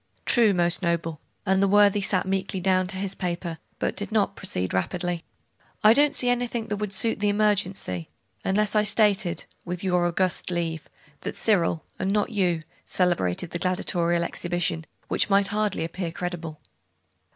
'True, most noble,' and the worthy sat meekly down to his paper.... but did not proceed rapidly. 'I don't see anything that would suit the emergency, unless I stated, with your august leave, that Cyril, and not you, celebrated the gladiatorial exhibition; which might hardly appear credible?